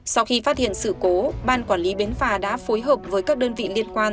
sau khi phát hiện sự cố ban quản lý bến phà đã phối hợp với các đơn vị liên quan